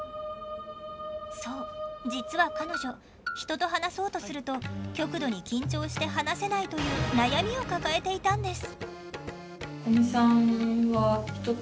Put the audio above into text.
そう実は彼女人と話そうとすると極度に緊張して話せないという悩みを抱えていたんです。